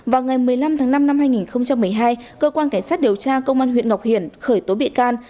vào ngày một mươi năm tháng năm năm hai nghìn một mươi hai cơ quan cảnh sát điều tra công an huyện ngọc hiển khởi tố bị can